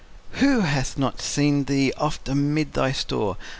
Who hath not seen thee oft amid thy store?